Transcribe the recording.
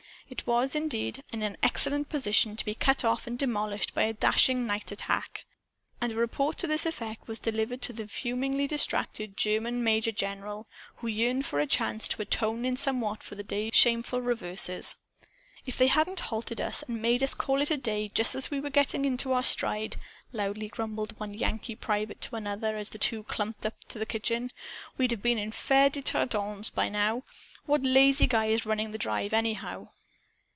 It was, indeed, in an excellent position to be cut off and demolished by a dashing nightattack. And a report to this effect was delivered to a fumingly distracted German major general, who yearned for a chance to atone in some way for the day's shameful reverses. "If they hadn't halted us and made us call it a day, just as we were getting into our stride," loudly grumbled one Yankee private to another as the two clumped up to the kitchen, "we'd have been in Fere en Tardenois by now. What lazy guy is running this drive, anyhow?"